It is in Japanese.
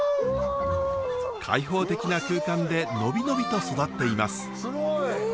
開放的な空間で伸び伸びと育っています。